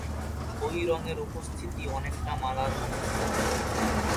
ওই রঙের উপস্থিতি অনেকটা মালার মতো।